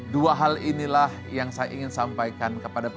dua hal inilah yang saya ingin sampaikan kepada pemerintah